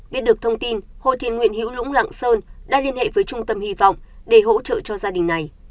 biết được thông tin hội thiền nguyện hiễu lũng lạng sơn đã liên hệ với trung tâm hy vọng để hỗ trợ cho gia đình này